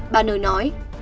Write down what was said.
bà nở nói